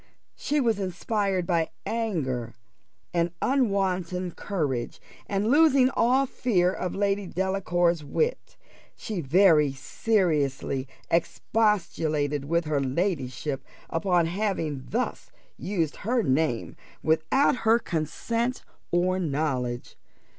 She was inspired by anger with unwonted courage, and, losing all fear of Lady Delacour's wit, she very seriously expostulated with her ladyship upon having thus used her name without her consent or knowledge.